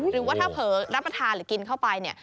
หรือว่าถ้าเผลอรับประทานหรือกินเข้าไปเนี่ย